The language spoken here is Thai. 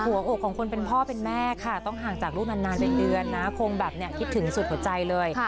หัวอกของคนเป็นพ่อเป็นแม่ค่ะต้องห่างจากลูกนานเป็นเดือนนะคงแบบคิดถึงสุดหัวใจเลย